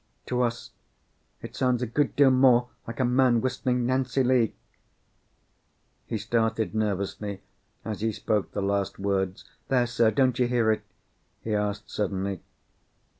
"To us it sounds a good deal more like a man whistling 'Nancy Lee.'" He started nervously as he spoke the last words. "There, sir, don't you hear it?" he asked suddenly.